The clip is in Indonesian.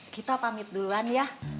kita pamit duluan ya